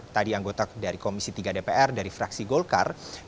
tadi anggota dari komisi tiga dpr dari fraksi golkar